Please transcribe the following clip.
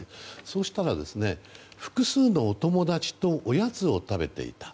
そうしたら、複数のお友達とおやつを食べていた。